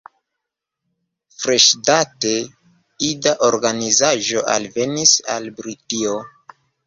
Freŝdate, ida organizaĵo alvenis al Britio.